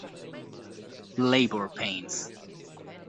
Labor Pains